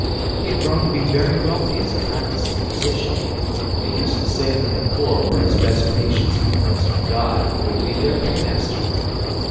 He had grown to be very wealthy as a practicing physician, but he used to say that the poor were his best patients because God would be their paymaster.